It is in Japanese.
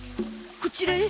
こちらへ。